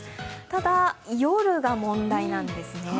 ただ、夜が問題なんですね。